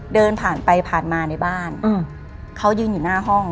เดินผ่านไปผ่านมาในบ้านเขายืนอยู่หน้าห้อง